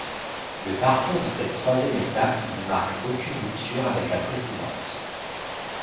Le parcours de cette troisième étape ne marque aucune rupture avec la précédente.